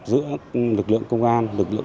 giữa lực lượng công an lực lượng